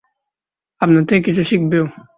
আপনার থেকে কিছু শিখবেও।